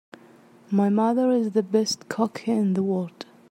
My mother is the best cook in the world!